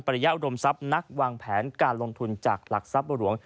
ระยะอุดมทรัพย์นักวางแผนการลงทุนจากหลักทรัพย์หลวง